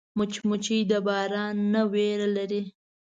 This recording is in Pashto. مچمچۍ د باران نه ویره لري